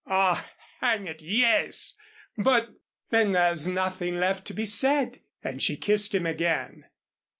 "Ah, hang it, yes. But " "Then there's nothing left to be said," and she kissed him again.